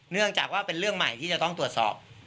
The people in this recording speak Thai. เนื่องจากว่าเป็นเรื่องใหม่ที่จะต้องตรวจสอบ